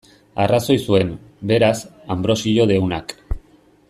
Arrazoi zuen, beraz, Anbrosio deunak.